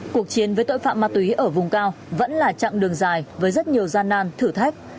cuộc chiến với tội phạm ma túy ở vùng cao vẫn là chặng đường dài với rất nhiều gian nan thử thách